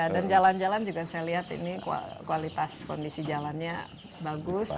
dan jalan jalan juga saya lihat ini kualitas kondisi jalannya bagus